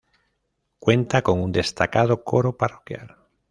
Cuenta con un destacado coro parroquial.